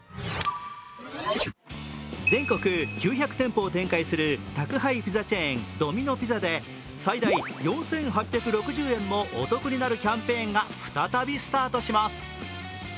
全国９００店舗を展開する宅配ピザチェーン、ドミノ・ピザで最大４８６０円もお得になるキャンペーンが再びスタートします。